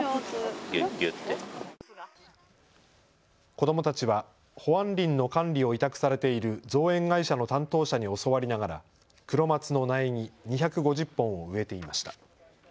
子どもたちは保安林の管理を委託されている造園会社の担当者に教わりながらクロマツの苗木２５０本を植えていました。